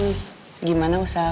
ulus senang paraharin sebetulnya